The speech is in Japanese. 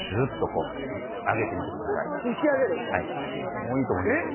もういいと思いますよ。